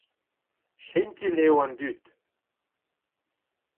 Jentil eo an dud.